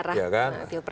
semuanya ke arah tio pres